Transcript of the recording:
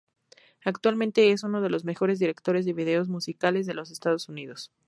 Actualmente es uno de lo mejores directores de videos musicales de Estados Unidos.